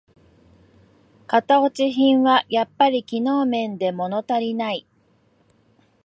型落ち品はやっぱり機能面でものたりない